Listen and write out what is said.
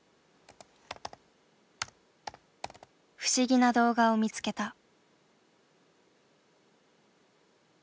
不思議な動画を見つけた。